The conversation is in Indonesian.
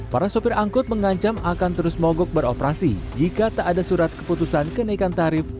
para sopir angkut mengancam akan terus mogok beroperasi jika tak ada surat keputusan kenaikan tarif